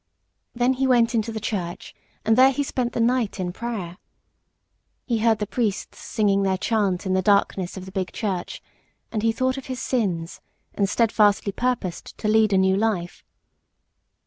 Then he went into the church, and there he spent the night in prayer. He heard the priests singing their chant in the darkness of the big church, and he thought of his sins, and steadfastly purposed to lead a new life.